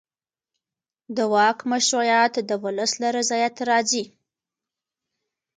د واک مشروعیت د ولس له رضایت راځي